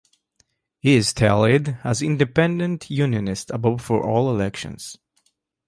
He is tallied as Independent Unionist above for all elections.